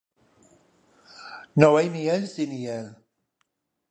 No hay miel sin hiel.